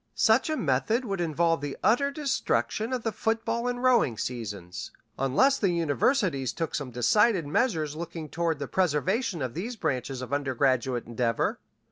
Such a method would involve the utter destruction of the football and rowing seasons, unless the universities took some decided measures looking toward the preservation of these branches of undergraduate endeavor.